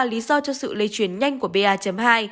lý do cho sự lây chuyển nhanh của ba hai